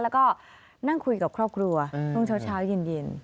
แล้วก็นั่งคุยกับครอบครัวช่วงเช้าเย็น